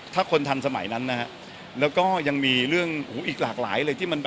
ถ้าคนทำสมัยนั้นนะครับแล้วมันยังมีหัวอิขหลากหลายเลย